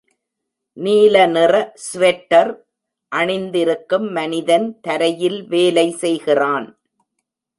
நீல நிற ஸ்வெட்டர் அணிந்திருக்கும் மனிதன் தரையில் வேலை செய்கிறான்